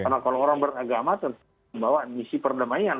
karena kalau orang beragama tentu membawa misi perdamaian